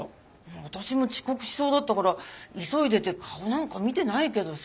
私も遅刻しそうだったから急いでて顔なんか見てないけどさ。